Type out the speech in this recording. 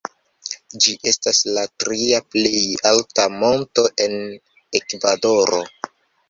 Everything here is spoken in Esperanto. Ĝi estas la tria plej alta monto en Ekvadoro.